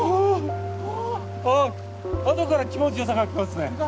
ああとから気持ちよさがきますね